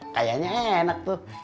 kayanya enak tuh